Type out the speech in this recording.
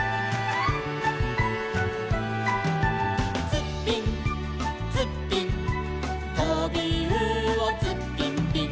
「ツッピンツッピン」「とびうおツッピンピン」